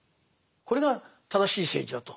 これが正しい政治だと。